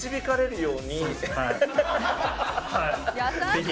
ぜひ。